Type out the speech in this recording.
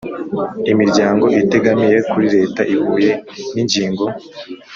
imiryango itegamiye kuri leta ihuye n’ingingo